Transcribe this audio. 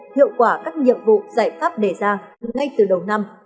hiệu quả các nhiệm vụ giải pháp đề ra ngay từ đầu năm